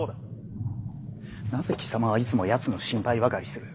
なぜ貴様はいつもやつの心配ばかりする？